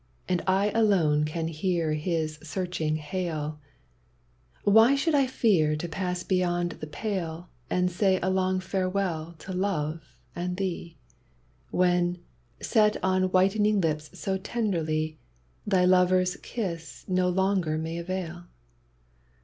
And I alone can hear his searching hail ; Why should I fear to pass beyond the pale And say a long farewell to love and thee, When, set on whitening lips so ten derly, Thy lover's kiss no longer may avail?